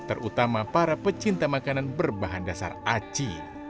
terutama para pecinta makanan berbahan dasar aci